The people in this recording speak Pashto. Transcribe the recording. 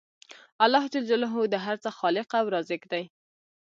الله ج د هر څه خالق او رازق دی